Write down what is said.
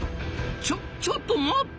ちょちょっと待った！